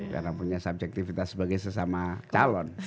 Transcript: karena punya subjektivitas sebagai sesama calon